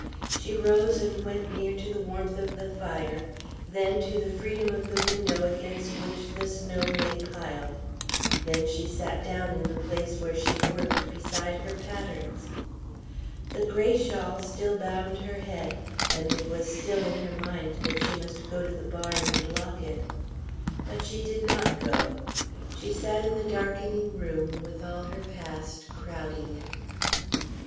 She rose and went near to the warmth of the fire, then to the freedom of the window against which the snow lay piled, then she sat down in the place where she worked, beside her patterns. The gray shawl still bound her head, and it was still in her mind that she must go to the barn and lock it. But she did not go she sat in the darkening room with all her past crowding it....